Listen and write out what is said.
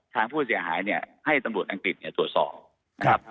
ทางผู้เสียหายเนี่ยให้ตำรวจอังกฤษเนี่ยตรวจสอบนะครับ